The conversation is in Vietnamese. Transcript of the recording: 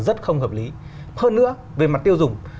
rất không hợp lý hơn nữa về mặt tiêu dùng